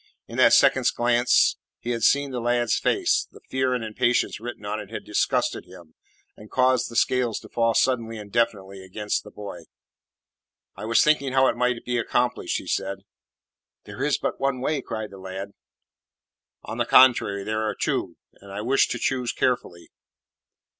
In that second's glance he had seen the lad's face; the fear and impatience written on it had disgusted him, and caused the scales to fall suddenly and definitely against the boy. "I was thinking how it might be accomplished," he said. "There is but one way," cried the lad. "On the contrary, there are two, and I wish to choose carefully."